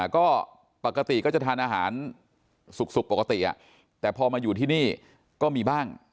ก็ปกติก็จะทานอาหารสุกปกติแต่พอมาอยู่ที่นี่ก็มีบ้าง